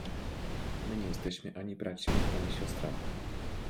My nie jesteśmy ani braćmi, ani siostrami.